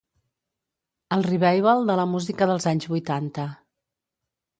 El 'revival' de la música dels anys vuitanta.